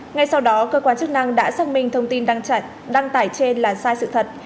ngay sau đó cơ quan chức năng đã xác minh thông tin đăng tải trên là sai sự thật